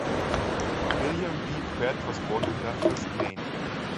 William V. Pratt was born in Belfast, Maine.